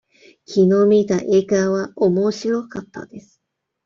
きのう見た映画はおもしろかったです。